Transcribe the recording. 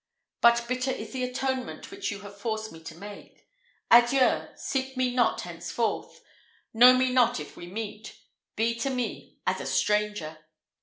but bitter is the atonement which you have forced me to make. Adieu! seek me not henceforth know me not if we meet be to me as a stranger.